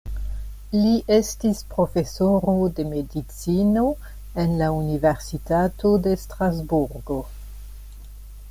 Li estis profesoro de medicino en la Universitato de Strasburgo.